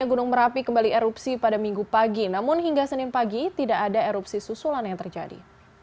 gunung merapi kembali erupsi pada minggu pagi namun hingga senin pagi tidak ada erupsi susulan yang terjadi